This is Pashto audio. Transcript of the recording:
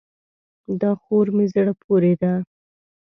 دا خور مې زړه پورې ده.